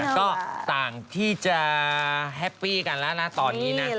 ก็ต่างที่จะแฮปปี้กันแล้วนะตอนนี้นะ